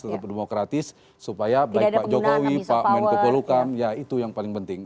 tetap demokratis supaya baik pak jokowi pak menko polukam ya itu yang paling penting